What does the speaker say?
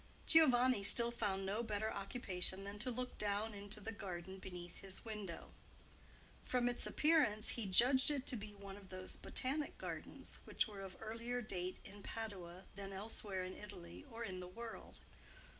Giovanni still found no better occupation than to look down into the garden beneath his window. From its appearance, he judged it to be one of those botanic gardens which were of earlier date in Padua than elsewhere in Italy or in the world.